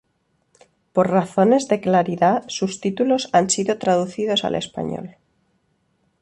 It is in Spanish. Por razones de claridad, sus títulos han sido traducidos al español.